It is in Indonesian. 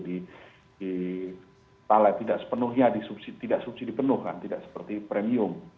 di talai tidak sepenuhnya tidak subsidi penuh kan tidak seperti premium